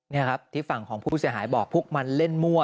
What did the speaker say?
นี่ครับที่ฝั่งของผู้เสียหายบอกพวกมันเล่นมั่ว